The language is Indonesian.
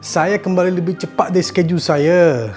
saya kembali lebih cepat di schedule saya